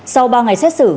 sau ba ngày xét xử